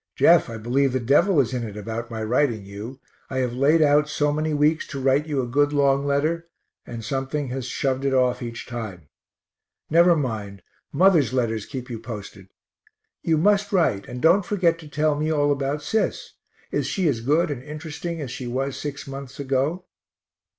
Jeff, I believe the devil is in it about my writing you; I have laid out so many weeks to write you a good long letter, and something has shoved it off each time. Never mind, mother's letters keep you posted. You must write, and don't forget to tell me all about Sis. Is she as good and interesting as she was six months ago?